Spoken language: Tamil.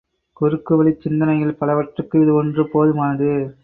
குறுக்குவழிச் சிந்தனைகள் பலவற்றுக்கு இது ஒன்று போதுமானது.